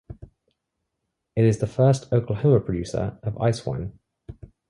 It is the first Oklahoma producer of Eiswein.